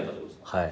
はい。